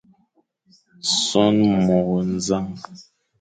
Son môr nẑañ.